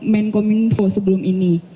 menkominfo sebelum ini